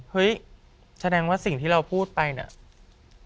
เฮ้ยแสดงว่าสิ่งที่เราพูดไปเนี่ย